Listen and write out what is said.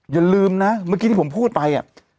อย่าลืมนะเมื่อกี้ที่ผมพูดไป